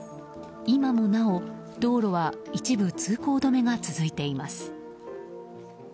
今もなお、道路は一部通行止めが続いています。